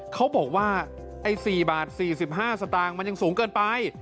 เขาบอกว่า๔๔๕บาทมันยังสูงเกินไป